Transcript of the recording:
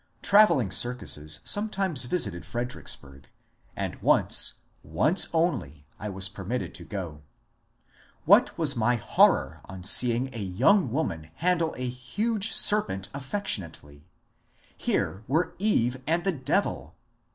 Travelling circuses sometimes visited Fredericksburg, and once — once only — I was permitted to go. What was my horror on seeing a young woman handle a huge serpent affectionately I Here were Eve and the Devil.